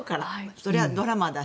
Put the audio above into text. それはドラマだし。